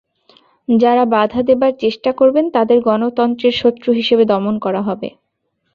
যাঁরা বাধা দেবার চেষ্টা করবেন, তাঁদের গণতন্ত্রের শত্রু হিসেবে দমন করা হবে।